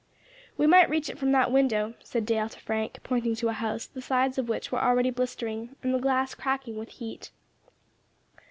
"We might reach it from that window," said Dale to Frank, pointing to a house, the sides of which were already blistering, and the glass cracking with heat.